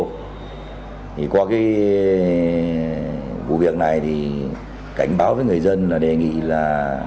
thì qua cái vụ việc này thì cảnh báo với người dân là đề nghị là